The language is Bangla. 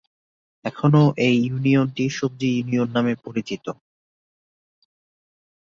এখনো এই ইউনিয়নটি সবজি ইউনিয়ন নামে পরিচিত।